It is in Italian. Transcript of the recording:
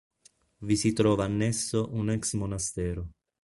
Vi si trova annesso un ex monastero.